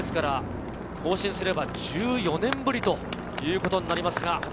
更新すれば１４年ぶりということになります。